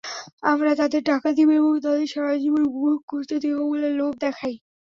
আমরা তাদের টাকা দিব এবং তাদের সারা জীবন উপভোগ করতে দিব বলে লোভ দেখাই।